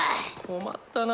困ったな。